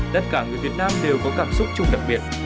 tất cả người việt nam đều có cảm xúc chung đặc biệt